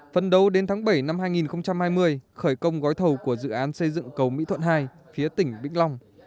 phần đầu đến tháng bảy năm hai nghìn hai mươi khởi công gói thầu của dự án xây dựng cầu mỹ thuận hai phía tỉnh vĩnh long